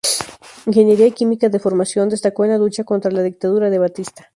Ingeniera química de formación destacó en la lucha contra la dictadura de Batista.